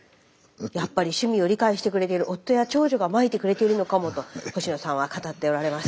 やっぱり趣味を理解してくれてる夫や長女がまいてくれてるのかもと星野さんは語っておられます。